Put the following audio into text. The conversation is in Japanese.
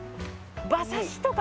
馬刺しとか。